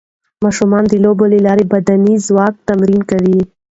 ماشومان د لوبو له لارې د بدني ځواک تمرین کوي.